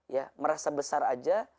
ya merasa besar aja